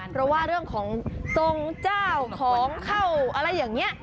เพราะว่าเรื่องของทรงเจ้าของเข้าอะไรอย่างนี้